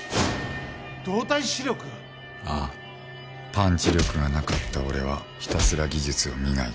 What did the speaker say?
パンチ力がなかった俺はひたすら技術を磨いた。